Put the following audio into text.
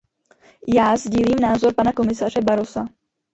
Já sdílím názor pana komisaře Barrosa.